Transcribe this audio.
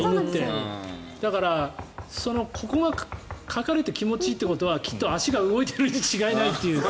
だから、ここがかかれて気持ちいいということはきっと足が動いているに違いないっていう。